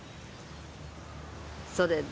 それで？